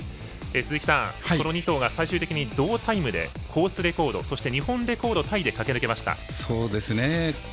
鈴木さん、この２頭が最終的に同タイムでコースレコード日本レコードタイで駆け抜けました。